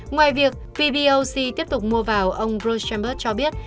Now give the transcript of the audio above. ngoài việc pboc tiếp tục mua vào ông bruce chambers cho biết